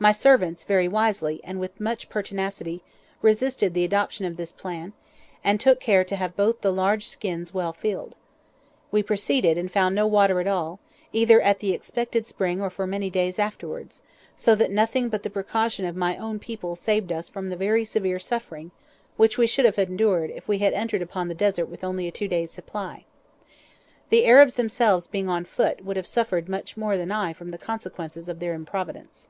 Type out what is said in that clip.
My servants very wisely, and with much pertinacity, resisted the adoption of this plan, and took care to have both the large skins well filled. We proceeded and found no water at all, either at the expected spring or for many days afterwards, so that nothing but the precaution of my own people saved us from the very severe suffering which we should have endured if we had entered upon the Desert with only a two days' supply. The Arabs themselves being on foot would have suffered much more than I from the consequences of their improvidence.